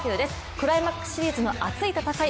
クライマックスシリーズの熱い戦い